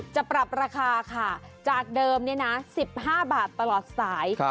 จะปรับราคาค่ะจากเดิม๑๕บาทตลอดสาย